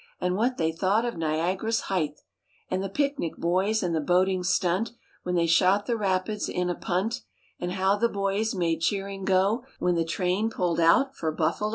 And what they thought of Niagara's height, And the picnic boys and the boating stunt When they shot the rapids in a punt; And how the boys made cheering go When the train pulled out for Buffalo.